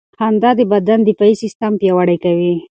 خندا د بدن دفاعي سیستم پیاوړی کوي.